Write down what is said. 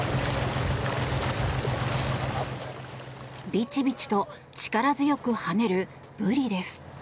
ビチビチと力強く跳ねるブリです。